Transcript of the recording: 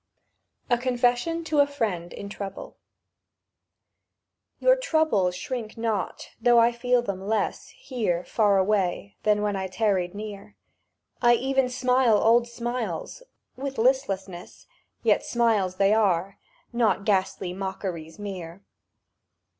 A CONFESSION TO A FRIEND IN TROUBLE YOUR troubles shrink not, though I feel them less Here, far away, than when I tarried near; I even smile old smiles—with listlessness— Yet smiles they are, not ghastly mockeries mere.